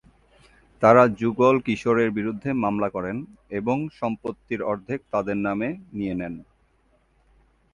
তারা যুগল কিশোরের বিরুদ্ধে মামলা করেন এবং সম্পত্তির অর্ধেক তাদের নামে নিয়ে নেন।